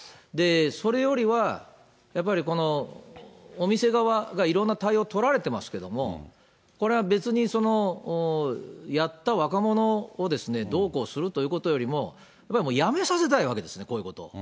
それよりは、やっぱりお店側がいろんな対応を取られてますけども、これは別にやった若者をどうこうするということよりも、やっぱりやめさせたいわけですね、こういうこと。